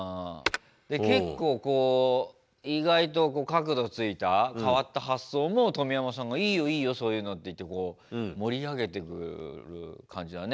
結構意外と角度ついた変わった発想も冨山さんが「いいよいいよそういうの」って言って盛り上げてくる感じだね。